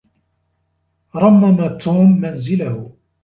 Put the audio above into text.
رمّم توم منزله.